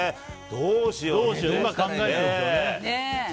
どうしようかね。